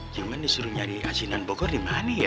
cuman disuruh nyari asinan bogor di mana ya